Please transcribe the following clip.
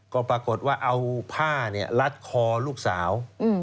ก็ปรากฏว่าเอาผ้าลัดคอลูกสาว